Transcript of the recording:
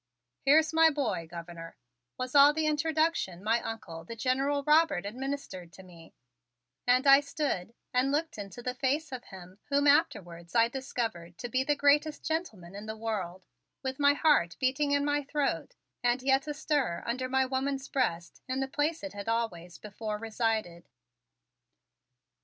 "Here's my boy, Governor," was all the introduction my Uncle, the General Robert, administered to me, and I stood and looked into the face of him whom afterwards I discovered to be the greatest gentleman in the world, with my heart beating in my throat and yet astir under my woman's breast in the place it had always before resided.